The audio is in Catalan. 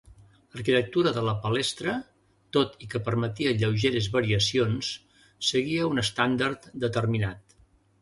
L'arquitectura de la palestra, tot i que permetia lleugeres variacions, seguia un estàndard determinat.